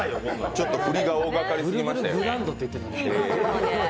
ちょっと振りが大がかりすぎましたね。